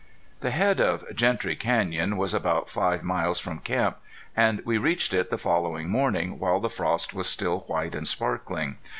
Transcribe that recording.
The head of Gentry Canyon was about five miles from camp, and we reached it the following morning while the frost was still white and sparkling.